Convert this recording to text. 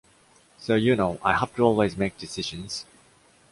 So, you know, I have to always make decisions.